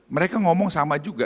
mereka ngomong sama juga